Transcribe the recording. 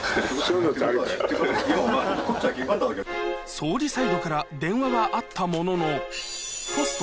総理サイドから電話があったもののポスト